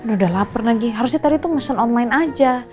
udah lapar lagi harusnya tadi itu mesen online aja